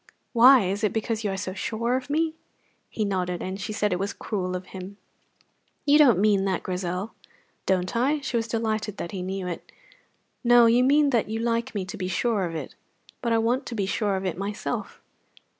"Why? Is it because you are so sure of me?" He nodded, and she said it was cruel of him. "You don't mean that, Grizel." "Don't I?" She was delighted that he knew it. "No; you mean that you like me to be sure of it." "But I want to be sure of it myself."